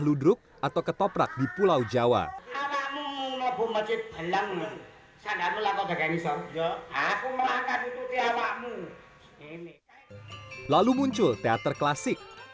lalu muncul teater klasik